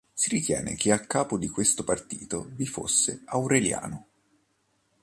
Si ritiene che a capo di questo partito vi fosse Aureliano.